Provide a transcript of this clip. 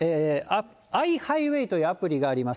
アイハイウェイというアプリがあります。